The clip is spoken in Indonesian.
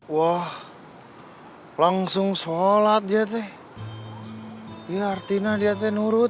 wah langsung sholat jatuh artinya dia tenurut